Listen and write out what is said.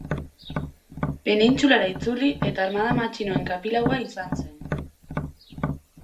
Penintsulara itzuli eta armada matxinoen kapilaua izan zen.